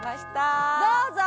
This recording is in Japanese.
どうぞ！